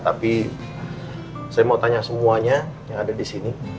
tapi saya mau tanya semuanya yang ada di sini